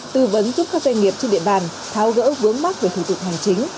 tư vấn giúp các doanh nghiệp trên địa bàn tháo gỡ vướng mắc về thủ tục hành chính